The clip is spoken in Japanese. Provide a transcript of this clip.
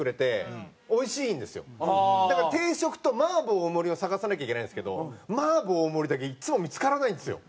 だから定食と麻婆大盛りを探さなきゃいけないんですけど麻婆大盛りだけいつも見付からないんですよ。